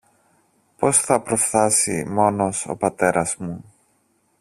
πώς θα προφθάσει μόνος ο πατέρας μου